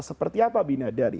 seperti apa bidadari